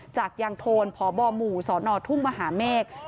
จากยางโทนพบหมู่สนทุ่งมหาเมฆ